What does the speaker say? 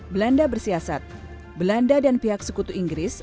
belanda bersiasat belanda dan pihak sekutu inggris